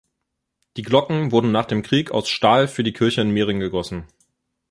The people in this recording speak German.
Die Glocken wurden nach dem Krieg aus Stahl für die Kirche in Mering gegossen.